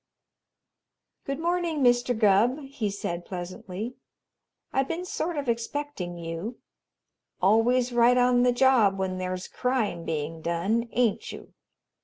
"Good morning, Mr. Gubb," he said pleasantly. "I been sort of expecting you. Always right on the job when there's crime being done, ain't you?